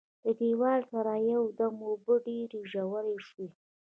له دیواله سره یو دم اوبه ډېرې ژورې شوې.